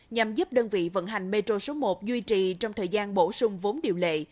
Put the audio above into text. nhằm giúp đơn vị vận hành metro số một duy trì trong thời gian bổ sung vốn điều lệ